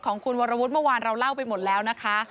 ของคุณวรวุฒิเมื่อวานเราเล่าไปหมดแล้วนะคะ